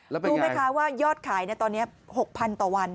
แล้วเป็นอย่างไรรู้ไหมคะว่ายอดขายตอนนี้๖๐๐๐บาทต่อวัน